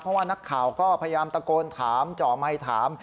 เพราะว่านักข่าวก็พยายามตะโกนถามเจาะไมค์ถาม